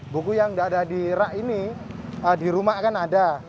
buku yang tidak ada di rak ini di rumah kan ada